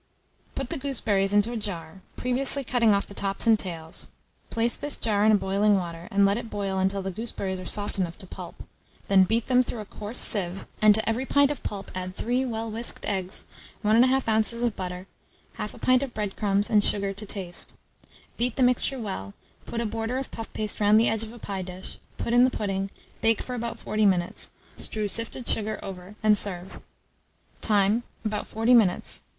Mode. Put the gooseberries into a jar, previously cutting off the tops and tails; place this jar in boiling water, and let it boil until the gooseberries are soft enough to pulp; then beat them through a coarse sieve, and to every pint of pulp add 3 well whisked eggs, 1 1/2 oz. of butter, 1/2 pint of bread crumbs, and sugar to taste; beat the mixture well, put a border of puff paste round the edge of a pie dish, put in the pudding, bake for about 40 minutes, strew sifted sugar over, and serve. Time. About 40 minutes.